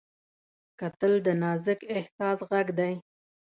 کتل د نازک احساس غږ دی